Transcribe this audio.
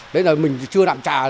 đấy là mình chưa làm trà